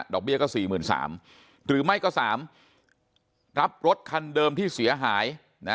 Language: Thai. เบี้ยก็๔๓๐๐หรือไม่ก็๓รับรถคันเดิมที่เสียหาย